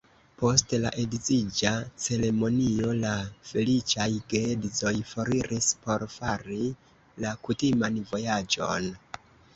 Post la edziĝa ceremonio, la feliĉaj geedzoj foriris por fari la kutiman vojaĝon.